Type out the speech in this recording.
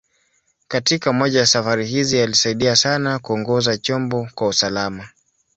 Katika moja ya safari hizi, alisaidia sana kuongoza chombo kwa usalama.